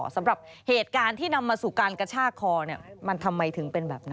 สำหรับเหตุการณ์ที่นำมาสู่การกระชากคอมันทำไมถึงเป็นแบบนั้น